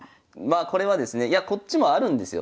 これはですねいやこっちもあるんですよ。